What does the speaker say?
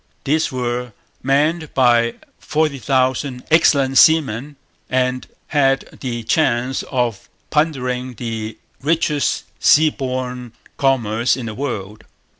These were manned by forty thousand excellent seamen and had the chance of plundering the richest sea borne commerce in the world.